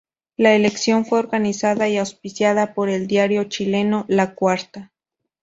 La elección fue organizada y auspiciada por el diario chileno "La Cuarta".